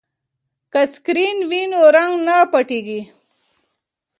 که سکرین وي نو رنګ نه پټیږي.